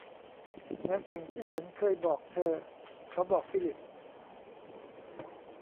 เหมือนสิ่งที่ฉันเคยบอกเธอ เขาบอกฟิลิป